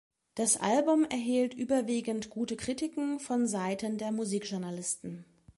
Das Album erhielt überwiegend gute Kritiken von Seiten der Musikjournalisten.